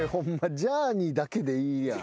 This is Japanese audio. ジャーニーだけでいいやん。